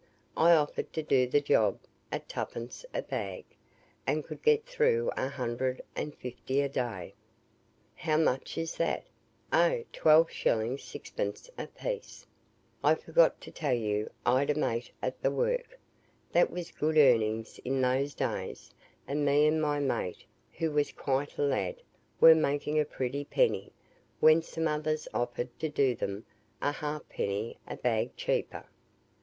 I offered to do the job at 2d. a bag, and could get through a hundred and fifty a day. How much is that? Oh! 12s. 6d. a piece. I forgot to tell you I'd a mate at the work. That was good earnings in those days; and me and my mate, who was quite a lad, were making a pretty penny, when some others offered to do them a halfpenny a bag cheaper.